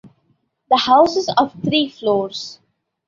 The house is of three floors.